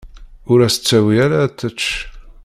Ur as-d-tewwi ara ad tečč.